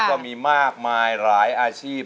ก็มีมากมายหลายอาชีพ